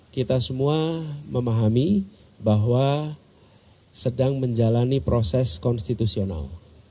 kita semua memahami bahwa sedang menjalani proses konstitusional